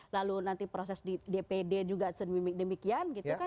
lalu nanti proses di dpd juga demikian gitu kan